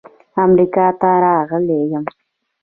امریکا ته راغلی یم.